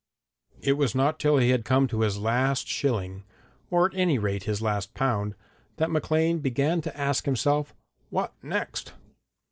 It was not till he had come to his last shilling or at any rate his last pound that Maclean began to ask himself 'What next?'